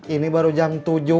ini baru jam tujuh